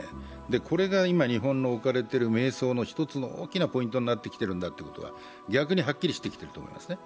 これが日本の置かれている迷走の一つの大きなポイントになっているんだということが逆にはっきりしてきていると思いますね。